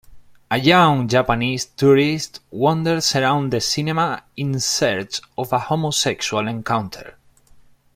A young Japanese tourist wanders around the cinema in search of a homosexual encounter.